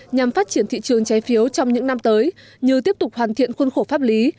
nhằm phát triển thị trường trái phiếu trong những năm tới như tiếp tục hoàn thiện khuôn khổ pháp lý